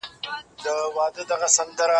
خوب دی په خپله غېږ کې نیولی و.